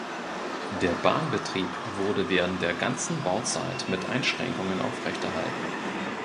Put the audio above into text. Der Bahnbetrieb wurde während der ganzen Bauzeit mit Einschränkungen aufrechterhalten.